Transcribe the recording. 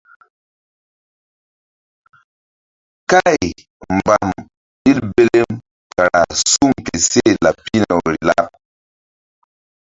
Kay mbam ɓil belem kara suŋ ke seh laɓ pihna woyri laɓ.